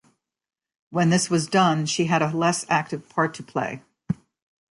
When this was done she had a less active part to play.